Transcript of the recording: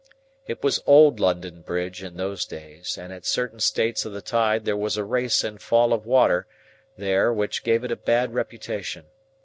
It was Old London Bridge in those days, and at certain states of the tide there was a race and fall of water there which gave it a bad reputation.